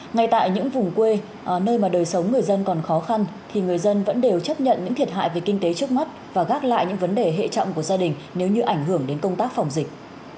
ngay tại những vùng quê nơi mà đời sống người dân còn khó khăn thì người dân vẫn đều chấp nhận những thiệt hại về kinh tế trước mắt và gác lại những vấn đề hệ trọng của gia đình nếu như ảnh hưởng đến công tác phòng dịch